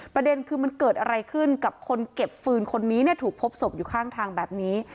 ประเด็นคือมันเกิดอะไรขึ้นกับคนเก็บฟืนคนนี้เนี่ยถูกพบศพอยู่ข้างทางแบบนี้